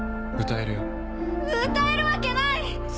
歌えるわけない！